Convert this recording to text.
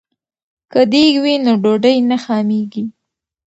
که دیګ وي نو ډوډۍ نه خامېږي.